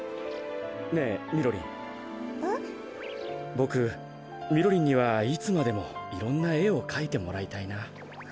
ボクみろりんにはいつまでもいろんなえをかいてもらいたいな。